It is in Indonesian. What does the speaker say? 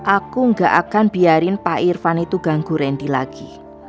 aku gak akan biarin pak irfan itu ganggu randy lagi